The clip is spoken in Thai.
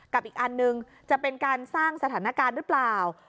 อีกอันนึงจะเป็นการสร้างสถานการณ์หรือเปล่า